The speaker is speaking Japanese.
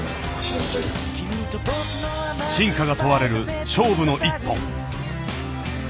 真価が問われる勝負の一本。